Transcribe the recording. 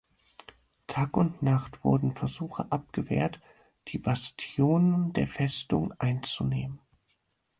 Tag und Nacht wurden Versuche abgewehrt, die Bastionen der Festung einzunehmen.